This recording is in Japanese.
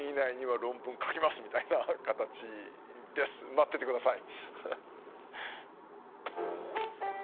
待ってて下さい。